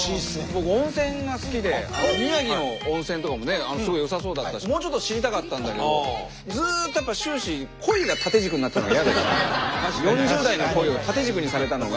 僕温泉が好きで宮城の温泉とかもねすごい良さそうだったしもうちょっと知りたかったんだけどずっとやっぱ終始４０代の恋を縦軸にされたのが。